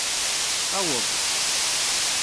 Aweḍ.